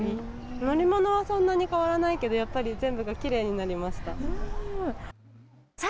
乗り物はそんなに変わらないけど、やっぱり全部がきれいになりました。